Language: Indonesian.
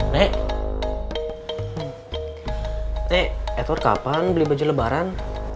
nek nek edward kapan beli baju lebaran